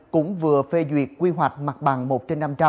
cũng vừa phê duyệt quy hoạch mặt bằng một trên năm trăm linh